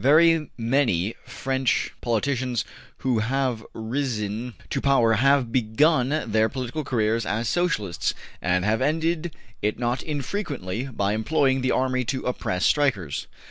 Very many French politicians who have risen to power have begun their political career as Socialists, and have ended it not infrequently by employing the army to oppress strikers.